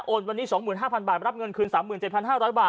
วันนี้๒๕๐๐บาทรับเงินคืน๓๗๕๐๐บาท